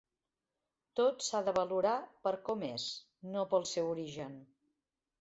Tot s'ha de valorar per com és, no pel seu origen.